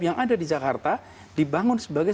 yang ada di jakarta dibangun sebagai